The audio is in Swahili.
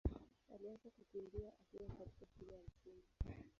alianza kukimbia akiwa katika shule ya Msingi.